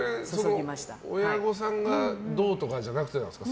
それは親御さんがどうとかじゃなくてですか？